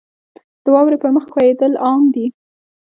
• د واورې پر مخ ښویېدل عام دي.